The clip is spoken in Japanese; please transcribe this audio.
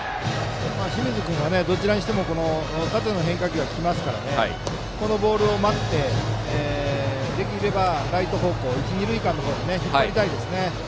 清水君はどちらにしても縦の変化球が来ますからそのボールを待ってできればライト方向一、二塁間に引っ張りたいですね。